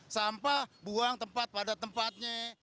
sampah buang tempat pada tempatnya